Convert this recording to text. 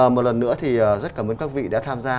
một lần nữa thì rất cảm ơn các vị đã tham gia